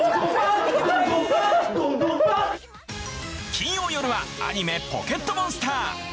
金曜よるはアニメ『ポケットモンスター』！